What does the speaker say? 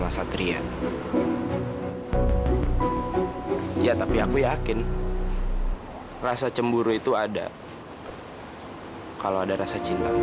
mirza kenapa gak jemput aku ya